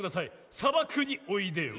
「さばくにおいでよ」。